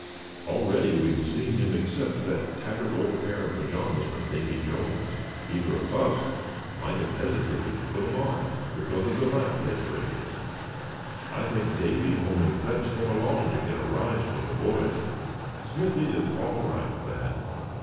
"Already we've seen him accept that tattered old pair of pajamas from Davy Jones; either of us might have hesitated to put 'em on, because of the laugh they'd raise. I think Davy only fetched them along to get a rise from the boys. Smithy is all right, Thad.